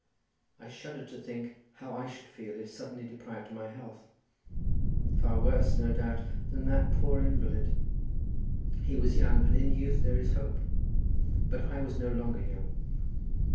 I shuddered to think how I should feel if suddenly deprived of my health. Far worse, no doubt, than that poor invalid. He was young, and in youth there is hope—but I was no longer young.